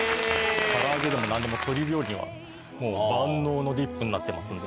唐揚げでも何でも。のディップになってますので。